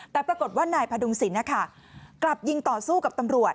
แต่ปรากฏว่านายพดุงศิลป์กลับยิงต่อสู้กับตำรวจ